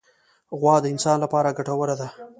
غوا د انسان له پاره ګټوره ده.